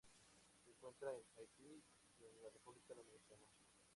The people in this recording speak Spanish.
Se encuentran en Haití y la República Dominicana.